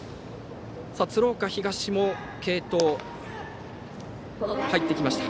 鶴岡東も継投に入ってきました。